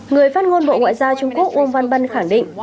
người phát ngôn bộ ngoại giao trung quốc uông văn bân khẳng định